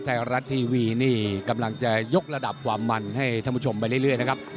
ไทยรัฐทีวีนี่กำลังจะยกระดับความมันให้ท่านผู้ชมไปเรื่อยนะครับ